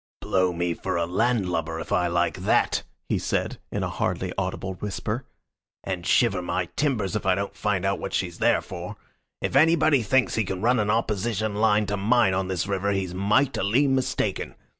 "Blow me for a landlubber if I like that!" he said, in a hardly audible whisper. "And shiver my timbers if I don't find out what she's there for. If anybody thinks he can run an opposition line to mine on this river he's mightily mistaken.